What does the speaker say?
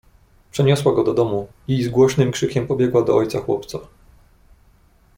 "Przeniosła go do domu i z głośnym krzykiem pobiegła do ojca chłopca."